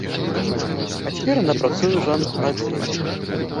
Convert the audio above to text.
А цяпер яна працуе ў жанаддзеле.